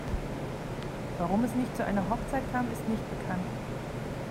Warum es nicht zu einer Hochzeit kam, ist nicht bekannt.